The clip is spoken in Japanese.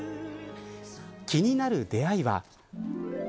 気になる出会いは。